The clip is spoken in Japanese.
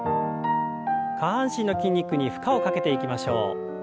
下半身の筋肉に負荷をかけていきましょう。